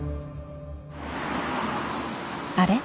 あれ？